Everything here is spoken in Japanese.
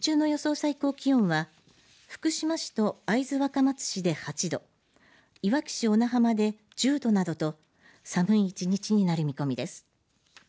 最高気温は福島市と会津若松市で８度いわき市小名浜で１０度などと寒い１日になる見込みです。